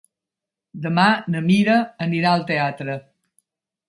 Demà na Mira anirà al teatre.